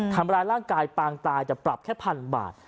ทำร้ายร่างกายปางตายแต่ปรับแค่พันบาท